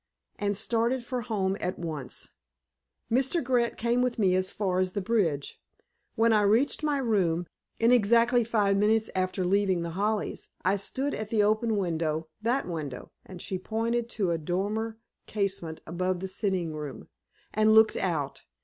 and started for home at once. Mr. Grant came with me as far as the bridge. When I reached my room, in exactly five minutes after leaving The Hollies, I stood at the open window—that window"—and she pointed to a dormer casement above the sitting room—"and looked out.